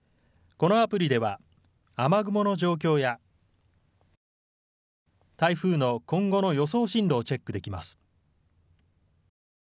このアプリでは、雨雲の状況や台風の今後の予想進路をチェックできます。